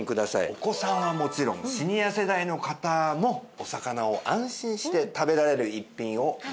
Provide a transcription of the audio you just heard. お子さんはもちろんシニア世代の方もお魚を安心して食べられる逸品をご紹介します。